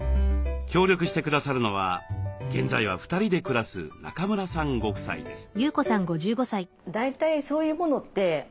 協力して下さるのは現在は２人で暮らす中村さんご夫妻です。